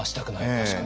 確かに。